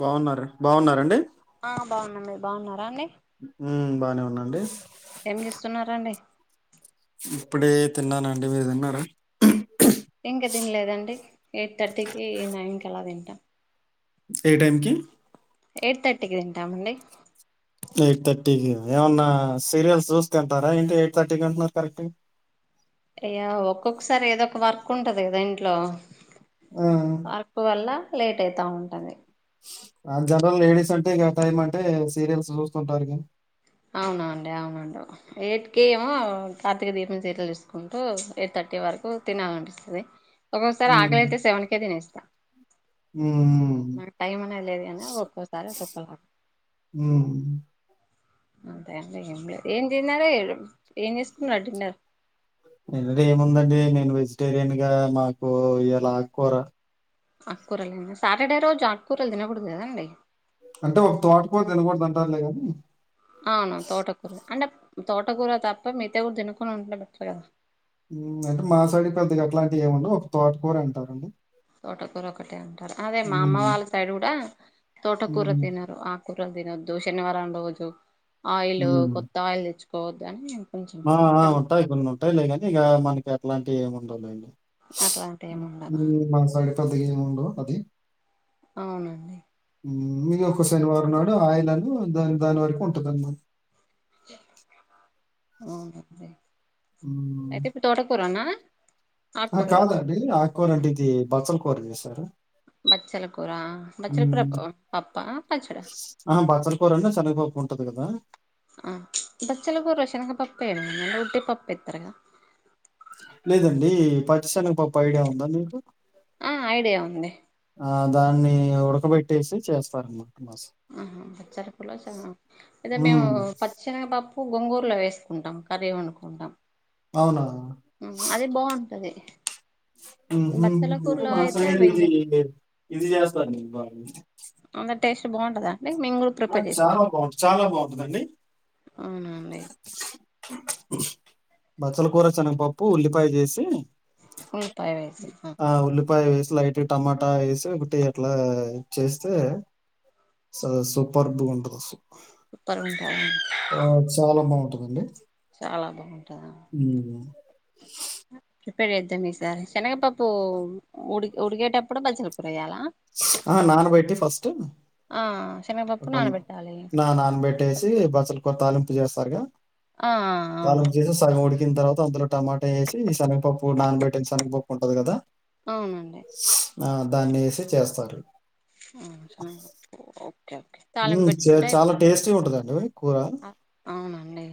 బాగున్నారు. బాగున్నారండి. ఆ బాగున్నాం మీరు బాగున్నారా అండి. ఉమ్ బానే ఉన్నాను ఏం చేస్తున్నారండి. ఇప్పుడే తిన్నానండి మీరు తిన్నర ఇంకా తినలేదండి ఎయిట్ థర్టీకి నైన్ కి అలా తింటా ఏ టైంకి ఎయిట్ థర్టీకి తింటామండి. ఎయిట్ థర్టీకి ఏమన్నా సీరియల్స్ చూస్ తంటారా. ఏంటి ఎయిట్ థర్టీకి అంటన్నారు కరెక్ట్ గా. అయ్యా ఒక్కొక్కసారి ఏదో ఒక వర్క్ ఉంటది కదా ఇంట్లో. వర్కు వల్ళా లేట్ అయితా ఉంటది. అ జనరల్ లేడీస్ అంటే ఇక టైం అంటే సీరియల్స్ చూస్తుంటారు. అవునండి అవును ఎయిట్ కే ఏమో కార్తీక దీపం సీరియల్ చూసుకుంటూ, ఎయిట్ థర్టీ వరకు తినాలి అనిపిస్తది. ఒక్కొక్సారి ఉమ్, ఆకలియితే సెవెన్ కే తినేస్తా ఉమ్, నాక్ టైం అనేది లేదు కాని ఒక్కోసారి ఒక్కోక్కలాగా ఉమ్. అంత అండి ఏం లే ఏం తిన్నార ఏం ఏం చేసుకున్నారు డిన్నర్ ఏంటంటే ఏముందండి నేను వెజిటేరియన్ గా మాకు ఇలా ఆగకూర అక్కూరల సాటర్డే రోజు ఆక్కూరలు తినకూడదు కదండి అంటే ఒక తోటకూర తినకూడదు అంటారులే కానీ ఆవును తోటకూర అంటే తోటకూర తప్ప మితేా కూడా తినుొని ఉంటరు కదా అంటే మా సైడ్ పెద్దగా అట్లాంటివి ఏముండవు ఒక తోటకర అంటారండి తోటకూర ఒకటే అంటారు అదే మా అమ్మ ఉమ్, వాళ్ళ సైడ్ కూడా తోట కూూర ఉమ్, తినరు ప్రదిన తినోద్దు శనివారం రోజు ఆయిలు కొత్త ఆయిల్ తెచ్చు పో ద్దనే అ ఆ ఉంటయి కొన్ని ఉంటాయిలే కానీ ఇక మనకి ఇలాంటి ఏమి ఉండవులె అండి అట్లాంటి ఏమి ఉండదు మ్ మన సైడ్ కొద్ది గేమ్ ఉండవు అది అవునండి ఇ ఒక శనివారం నాడు ఆయిలను దా దాని వరకు ఉంటుంది అండి అ నొప్పుే అయితే ఇప్పుడ్ తోటకూరనా అహ ఆకుకూర కాదండి ఆక్కూర అంటె ఇది బచ్చలి కూర అహ బచ్చల కూూర బచ్చల కూూర పప్పా పచ్చడా అహా! బచ్చల కూరన్నా శనగపప్పు ఉంటది కదా! ఆ బచ్చల కూూర చెనగ పప్ప టి పప్పేత్త రగా లేదండీ ప దర్శన పప్పు ఐడియా ఉంద మీకు ఆ ఐడియా ఉంది ఆ దాన్ని ఉడకబెట్టేసి చేస్తారమ్మా ఆహా పచ్చరి పుల చ అదే మేము హ్మ్. పచ్చినిగపా పు గొంగూరలో వేసుకుంటాం కర్రీ వండుకుంటాం భావనా అది బాగుంటది ఉహ్మ బచ్చల ఎక్కువ కూరలో మా అయితే సైడ్ ఇది వెయ్యం ఇది జేస్తరు బా అంత టేస్ట్ బాంటద ఆ చాలా బాగుం చాలా బాగుంటందండి అవునండి బచ్చల కూర చనగ పప్పు ఉల్లిపాయ జెసి ఉల్లిపాయ వేస్ ఉల్లిపాయ వేసి లైట్ గ టమాటా వేసి ఒకటి అట్లా చేస్తే సూప్ పర్గ ఉంటది అసలు పరుంట అండి చాలా బాగుంటద్ హ్మ్ ప్రిపేర్ చేద్దాం ఈసారి శనగపప్పు ఉడి ఉడికేటప్పుడు బజ్జిల్ ఆ నాన బెట్టి ఫస్ట్ ఆ శనగపప్పు ఒక నానబెట్టాలి నా నాన్నబట్టేసి బస్సల కూర తాలింప్ జేస్తారు గ ఆ అవును తాలాప్ చేసే సగం ఇన్ తర్వాత అంతలో టమాటా ఏసి శనగపప్పు నాన బెట్టిన శనగపప్పు ఉంటది గదా అవునండి ఆ దాన్నేసి చేస్తారు అవునా ఆ ఓకే తాళం ఉమ్, చే- పెట్టుకుంటే చాలా అయిపోతుంది టేస్టీ ఉంటుందండి కూర అవునండి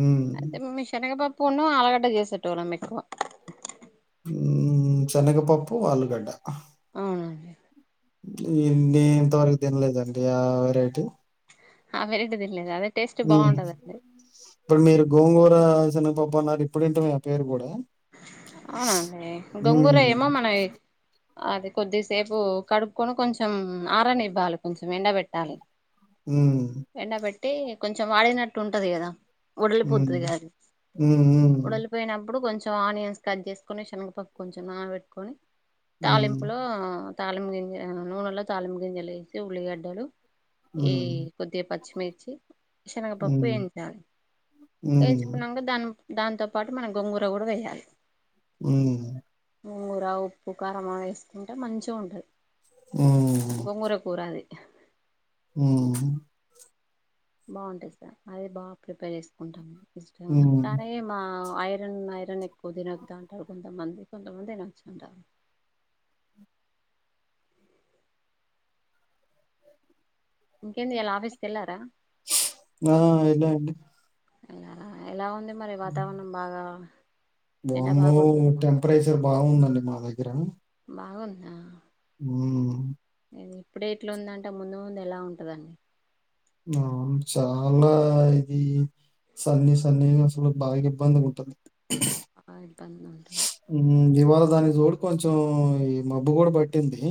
ఉమ్. అంటే శనగపప్పు పున్ను ఆల్లుగడ్డ చేసేటోల్లం ఎక్కువా హుమ్ సెనగపప్పు ఆలుగడ్డ అవునా ఇందీ ఇంతవరకు తినలేదండి ఆ వెరైటీ ఆ వెరైటీ తినలేదు అదే టేస్ట్ హ్మ్. బాగుంటదంటె చిన్నపటి నాటి ఇప్పుడు వింటున్న పేరు గూడా అవున అండి గొంగూర హ్మ్. ఏమో మన ఏ అది కొద్దిసేపు కడుక్కొని కొంచెం ఆరనివ్వాలి కొంచం ఎండబెట్టాలి హ అంటే కొంచెం వాడినట్టు ఉంటది కదా ఉడలిపోతుది హ్మ్. కాదు హ్మ్. ఉడలిపోయినప్పుడు కొంచెం ఆనియన్స్ కట్ చేసుకొని శనగపప్పు కొంచెం నానబట్టుకొని హ్మ్. తాలింపులో తాలిమ్మగింజ నూనెలో తాలిమ్మగింజలు ఏసి ఉల్లిగడ్డలు ఏ హ్మ్. కొద్దిగ పచ్చి మిర్చి శనగపప్పు హ్మ్. ఏంచాలె హ్మ్. హ్మ్. ఏంచుకున్నాక దాన్ని దాంతో పాటు మనం గోంగూర కూడా వేయ్ చాలి ఉ గోంగూర ఉప్పు కారమ ఏసుకుంటే మంచిగా ఉంటది. గోంగూర కూర అది హు బావుంటయ్ సా అది బా ప్రిపేర్ చేసుకుంటాము. ఇష్టంగ హ్మ్. అరయె మా ఐరన్ ఐరన్ ఎక్కువ తినద్దా అంటారు కొంతమంది కొంతమంది తినొచ్చంటరు. ఇంకెంది ఇయల ఆఫీస్ కెళ్ళరా. ఆ ఎల్లా అండి. ఎల్లెర ఎలా ఉంది. మరి వాతావరణం బాగా ఎండ వామ్మో బాగా కొడుతుంది టెంపరేచర్ బావుందండి మా దగ్గర నా ఉ ఇప్పుడె ఇట్ల ఉందంటే ముందు ముందు ఎలా ఉంటందండి. ఆ చాలా ఇది, సన్నీ సన్నీగ అసలు బాగా ఇబ్బంది ఉంటంది. బా ఇబ్బంది ఉంటుంది. దాని చోడు కొంచెం ఈ మబ్బు కూడా పట్టింది.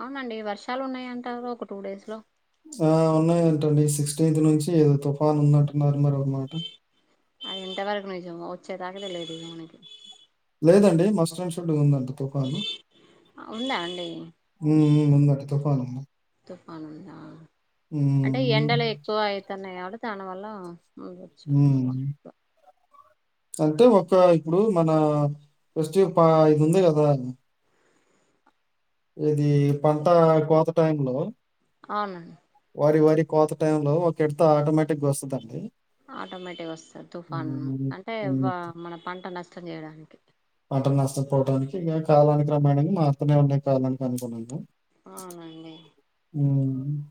అవునండి వర్షాలు ఉన్నాయంటారు ఒక టూ డేస్ లో ఆ ఉన్నాయంటండి సిక్స్టీన్త్ నుంచి ఏదో తుఫాన్ ఉన్నట్టున్నారు మరి ఓమాట ఆ ఇంట వరకు నుంచేమో వచ్చేదాకా తెలియదు ఇమనకి లేదండి మస్ట్ అండ్ సుడ్గా ఉందంట్ తుపాను, ఉందా అండి హు హు ఉందట తుఫాను ఔనుంద అంటే ఎండలు హ్మ్. ఎక్కువ అయితున్నాయి అడు తన వల్ల ముచ్చం వ హ్మ్. తొ అంటే ఒక ఇప్పుడు మన ఫెస్టివ్ పా ఇది ఉంది కదా ఇది పంట కోత టైం లో ఔనండి వారి వారి కోత టైం లో ఒక ఇడ్త ఆటోమేటిక్గా వస్సదండి. ఆటోమేటిక్గా వస్తుంది తుఫాను అంటే హ్మ్. మన పంట నష్టం చేయడానికి మటన్ నష్టపోవడానికి ఇంకా కాలానికి క్రమాేంగా మాత్రనే ఉన్నాయి కాలానికి అనుకున్నాము అవునండి అ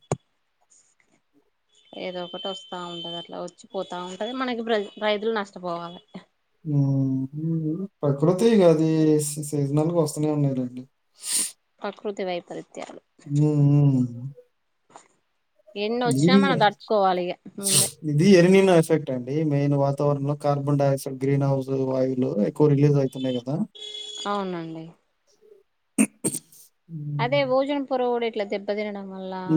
ఏదో ఒకటి వస్తా ఉంటది అట్లా వచ్చి పోతా ఉంటది మనకి రైతులు నష్టపోవాలే ప్రకృతి కాది సీజనల్కి వస్తూనే ఉన్నాయి లే అండి ప్రకృతి వైపరిత హ ఎన్ని వచ్చినా మనం తట్టుకోవాలి ఇక ముందే ఇది ఎల్‌నినో ఎఫెక్ట్ అండి మెయిన్ వాతావరణ లో carbon dioxide green house ఆయులు ఎక్కువ రిలీజ్ అవుతున్నాయి కదా అవునండి అదే భోజన కూర కూడా ఇట్లా దెబ్బ తినడం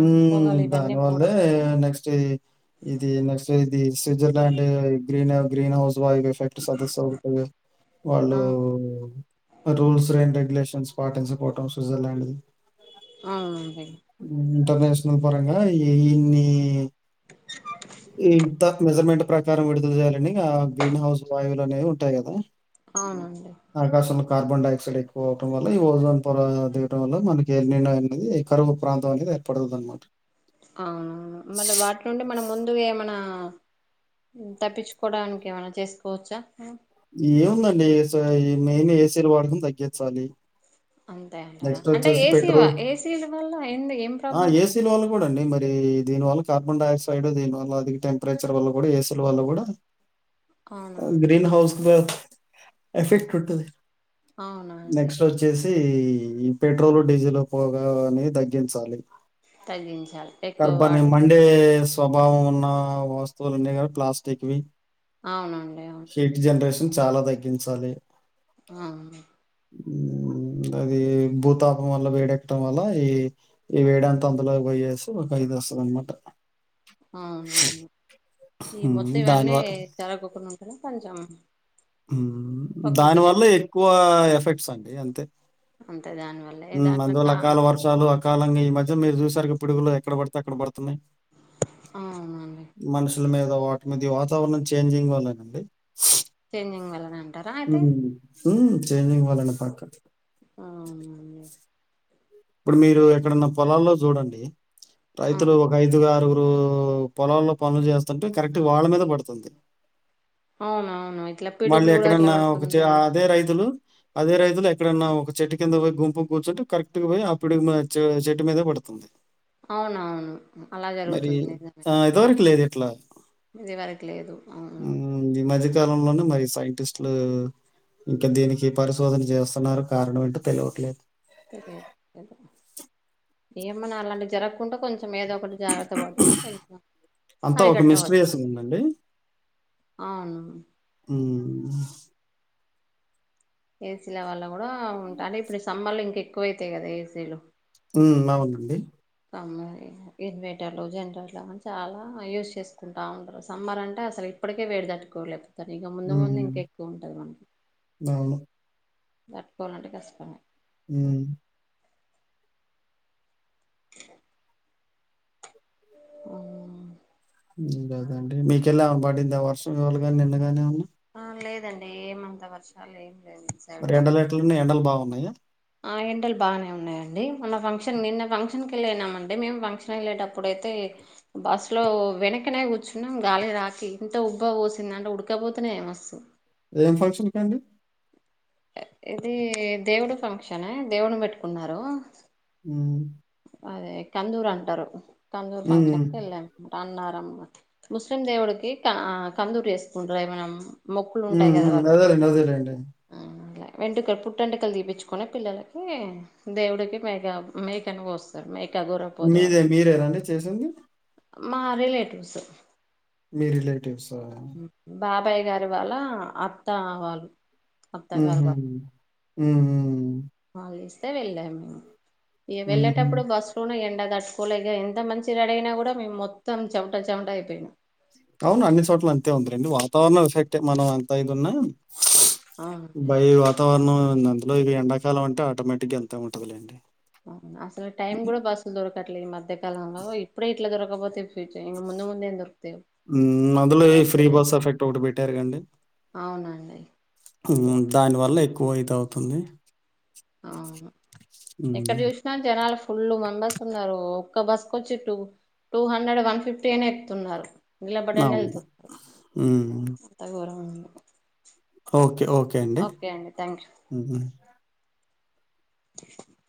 ఉం దాని వల్లే నెక్స్ట్ ఇది నెక్స్ట్ ఇది Switzerland green green house Dubai కి షేర్ట్ సదస్ ఆ వాళ్ళు రూల్స్ అండ్ రెగ్య లేషన్ స్పాటన్ ఎగ్జిపోవటం స్విట్జరల్యాండ్ అవునండి ఇంటర్నేషనల్ పరంగా ఈ ఇన్ని ఈ ఇంత మెజర్మెంట్ ప్రకారం విడుదల చేయాలని ఆ గ్రీన్ హౌస్ వాయువులు అనేవి ఉంటాయి కదా అవునండి ఆకాశంలో కార్బన్ డై ఆక్సైడ్ ఎక్కువ అవడం వల్ల ఈ ఓజోన్ పొర దియడం వల్ల మనకి నిర్ణయం అనేది ఈ కరువు ప్రాంతం అనేది ఏర్పడతుంది అనమాట ఆ మళ్ళీ వాటి నుండి మనం ముందుగా ఏమనా తప్పించుకోవడానికి ఏమైనా చేసుకోవచ్చా ఏముందండి అసల్ ఈ మెయిన్ ఏసీలు వాడకం తగ్గించాలి అంతే అంటారా నెక్స్ట్ అంటే వచ్చేసి ఏసీ పెట్రోల్ ఏసీ వల్ల ఏంది ఏం ప్రాబ్లం చూడి మరి దీని వల్ల కార్బన్ డైఆక్సైడ్ దీని వల్ల అది టెంపరేచర్ వల్ల కూడా ఏసీ ల వల్ల కూడా అవునా గ్రీన్ హౌస్ ఎఫెక్ట్ ఉంటుంది అవునా అండి -తే ఈ పెట్రోల్ డీజిల్ పోగ అన్ని తగ్గించాలి తగ్గించాలి ఎక్కువ కర్బని వాడదు మండే స్ స్వభావం ఉన్న వస్తువులున్నాయి కదా ప్లాస్టీక్ వి అవునండి అవును హీట్ జనరేషన్ చాలా తగ్గించాలి అవును - ఉ అది భూతాపం వల్ల వేడెక్కడం వల్ల ఈ ఈ వేడంత అందులో పోయేసి ఒక ఇది వస్తది అన్ మాట అవునవును ఈ మొత్తం దాని ఇవన్నీ వల్ల జరగకుండా కొంచం దాని వల్ల ఎక్కువ ఎఫెక్ట్ సండి అంతే అంతే దాని వల్లే ఏ దాటాట కాలంగా ఈ మద్య మీరు చూసారుగా పిడుగులు ఎక్కడ పడితే అక్కడ పడుత అవునండి మనుషుల మీద వాటి మీద వాతావరణం చేంజింగ్ వల్ల అంతే చేజింగ్ వల్ల హ చేనింగ్వాలనే పాక అవు అడి ఇప్పుడు మీరు ఎక్కడన్న పొలాల్లో చూడండి రైతులు ఒక ఐదుగా ఆరుగు ఇప్పుడు పొలాల్లో పనులు చేస్తుంటే కరెక్ట్ వాళ్ళ మీద పడుతుంది అవునా మళ్ళీ ఎక్కడన్నా ఒక అదే రైతులు అదే రైతులు ఎక్కడన్నా ఒక చెట్టు కింద పో గుంపు కూర్చుంటని కరెక్ట్ పోయి ఆ పిడు చెట్టు మీదే పడుతుంది అవునవును అలా జరుగుతుంది నిజంగా పట్లా ఇది వరకు లేదు అవు కాలంల మరి సైంటిస్టులు ఇంకా దీనికి ఏ పరిశోధన చేస్తున్నారు కారణం ఏంటో తెలవట్లేదు సరే ఏమన్నా అలాంటి జరగకు కుంట కొంచెం ఏదో ఒకటి జాగ్రత్త పడితేనే కొంచం అంతా ఒక అరిగట్టవచ్చు మిస్టరీయస్‌గుందండి. అవును మ్ ఏసీల వల్ల కూడా ఉంటా అంటే ఇప్పుడు సమ్మర్లు ఇంకా ఎక్కువ అవుతాయి కదా ఏసీలు అవునండి ఇన్వేటర్లు జనరేటర్లు అవన్నీ చాలా యూజ్ చేసుకుంటూ ఉంటారు సమ్మర్ అంటే అసలు ఇప్పటికే వేడి తట్టుకోలేదు సర ఇక ముందు ముందు ఇంకా హ్మ్. ఎక్కువ ఉంటుంది మనకి అవును. దాటుకోవాలంటే కష్టమే మ్మ్ ఆహ్ మ్మ్ గదండి మీకెల్లా బడిందా వర్షం ఇవాళ గాని నిన్నగాని ఏవన్నా ఆ లేదండి ఏమంత వర్షాలు ఏం లేవు ఇటు సైడు మరి ఎండలు ఎట్లు ఉన్నాయి ఎండలు బాగున్నాయా ఆ ఎండల్ బానే ఉన్నాయండి. మోన్న ఫంక్షన్ నిన్న ఫంక్షన్ కి వెళ్ళనామంటే మేము ఫంక్షన్ ఎళ్ళేటప్పుడైతే బస్సు లో వెనక్కనే కూర్చున్నాం గాలి రాకి ఇంత ఉబ్బ పోసింది అంటే ఉడకబోతనే మస్తు ఏం ఫంక్షన్ కండి ఇదీ దేవుడు ఫంక్షన్ ఎ దేవున్నీ పెట్టుకున్నారు. ఊ అదే కందూర్ అంటారు. కందూర్ ఫంక్షన్ హ్మ్. కెల్లా అన్మాట అన్నవ ముస్లిం దేవుడుకి క కందూరి వేసుకుంట మనం ఉం అదేలేండి అదేలేండి వెంటుకలు పుట్టెంటకలు తీపించుకొని పిల్లలకి దేవుడికి మేగ మేకను కోస్ స్తారు మే మీదే మీరేనా అండి చేసింది మా రిలేటివ్స్ మీ రిలే టివ్స్ ఆ బాబాయ్ గారి వాళ్ళ అత్తా వాళ్ళు. ఆహ అత్తగారు వాళ్ళు ఆహ టె వెళ్ళాము ఇగ వెళ్ళేటప్పుడు బస్సు లోన ఎండ తట్టుకోలేక ఎంత మంచి రెడీ అయినా కూడ మేము మొత్తం చెమట చెమట అయిపోయినా అవును అన్ని చోట్ల అంతే ఉంది లేండి వాతావరణం ఎఫెక్టే మనం అంత ఇది ఉన్నా అవునండి భై వాతావరణ అండ్ అందులో ఇవి ఎండాకాలం అంటే ఆటోమేటిగ్గ అంతె ఉంటదిలేండి అవును అస్సలు టైం గూడ బస్లు దొరక్ కట్లేదు మధ్య కాలంలో ఇప్పుడే ఇట్ల దొర కపోతే ఉం అందులో ఈ తర్వాత ఫ్రీ తెలియదు బస్ ఎఫెక్ట్ ఒకటి పెట్టారు కదండి అవునండి ఇవ ఉం దానివల్ల ఎక్ పోయిత అవుతుంది. ఆ ఎక్కడ చూసినా జనాలు ఫుల్ మెంబర్స్ ఉన్నారు. ఒక్క బస్కొచ్చి two two hundred one fifty అన్యా ఎక్తున్నారు. నిలబడి అన్న అవును. వెళ్తున్నారు ఎంత గోరం ఓకె ఓకె అండి ఓకే థ్యాంక్ యూ